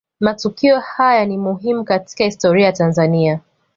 Matukio haya ni muhimu katika historia ya Tanzania